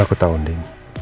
aku tahu andin